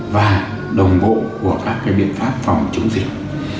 và đồng bộ của các biện pháp phòng chống dịch